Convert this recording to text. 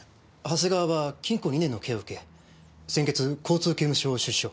長谷川は禁固２年の刑を受け先月交通刑務所を出所。